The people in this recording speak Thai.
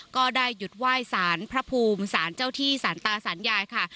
ก็ได้หยุดไหว้สารพระภูมิสารเจ้าที่สารตาสารยายค่ะ